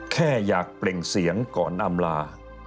แค่อยากเปล่งเสียงก่อนอำลา